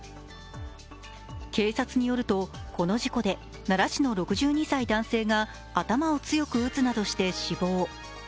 警察によると、この事故で奈良市の６２歳男性が頭を強く打つなどして死亡。